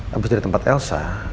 habis dari tempat elsa